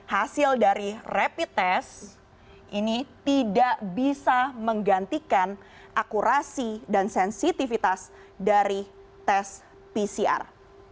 hasil dari rapid test ini tidak bisa menggantikan akurasi dan sensitivitas dari tes pcr